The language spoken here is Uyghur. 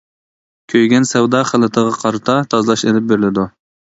كۆيگەن سەۋدا خىلىتىغا قارىتا تازىلاش ئېلىپ بېرىلىدۇ.